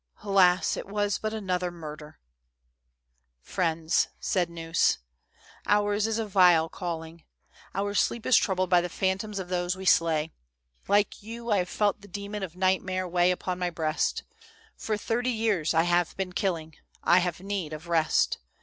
Alas ! it was but another murder !'" Friends," said Gneuss, " ours is a vile calling. Our sleep is troubled by the phantoms of those we slay. Like you, I have felt the demon of nightmare weigh upon my breast. For thirty years I have been killing ; I have need of rest.